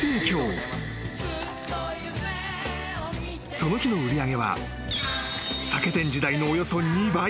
［その日の売り上げは］